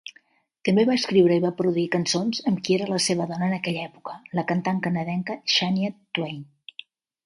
També va escriure i va produir cançons amb qui era la seva dona en aquella època, la cantant canadenca Shania Twain.